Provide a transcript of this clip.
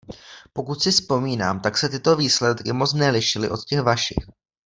Pokud si vzpomínám, tak se tyto výsledky moc nelišily od těch vašich.